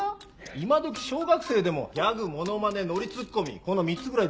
今どき小学生でもギャグモノマネノリツッコミこの３つぐらいできるぞ。